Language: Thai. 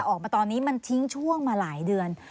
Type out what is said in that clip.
ออกมาตอนนี้มันทิ้งช่วงมาหลายเดือน